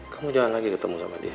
kamu jangan lagi ketemu sama dia